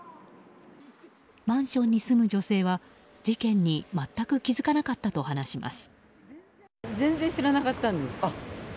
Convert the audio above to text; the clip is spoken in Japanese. マンションに住む女性は事件に全く気付かなかったと話します。